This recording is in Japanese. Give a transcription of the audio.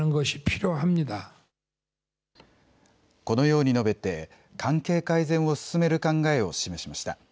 このように述べて関係改善を進める考えを示しました。